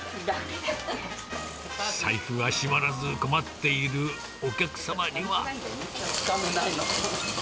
財布が閉まらず困っているおつかめないの。